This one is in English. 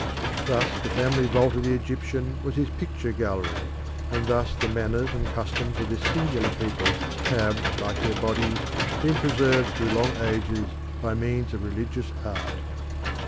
Thus the family vault of the Egyptian was his picture gallery, and thus the manners and customs of this singular people have, like their bodies, been preserved through long ages by means of religious art.